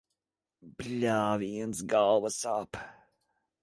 Bļāviens, galva sāp.